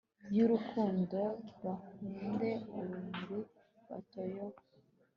y'urukundo, bahunde urumuri batayoba